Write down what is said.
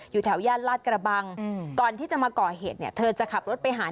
อยู่แถวย่านลาดกระบังก่อนที่จะมาก่อเหตุเนี่ยเธอจะขับรถไปหา